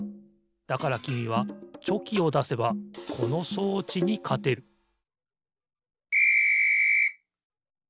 だからきみはチョキをだせばこの装置にかてるピッ！